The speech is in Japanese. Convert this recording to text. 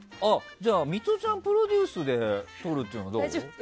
じゃあミトちゃんプロデュースで撮るっていうのはどう？